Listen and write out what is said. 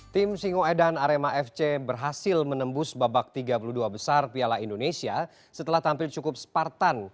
tim singoedan arema fc berhasil menembus babak tiga puluh dua besar piala indonesia setelah tampil cukup spartan